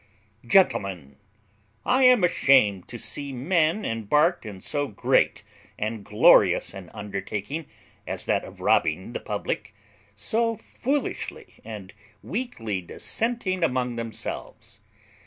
] "Gentlemen, I am ashamed to see men embarked in so great and glorious an undertaking, as that of robbing the public, so foolishly and weakly dissenting among themselves.